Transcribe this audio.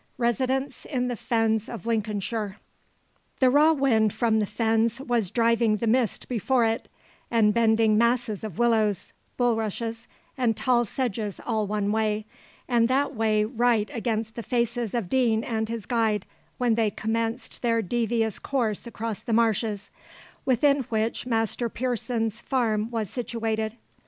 RESIDENCE IN THE FENS OF LINCOLNSHIRE. The raw wind from the fens was driving the mist before it, and bending masses of willows, bulrushes, and tall sedges all one way and that way right against the faces of Deane and his guide, when they commenced their devious course across the marshes, within which Master Pearson's farm was situated.